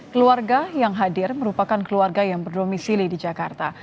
keluarga yang hadir merupakan keluarga yang berdomisili di jakarta